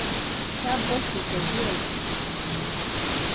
Fagosillaɨ chiaitɨkue.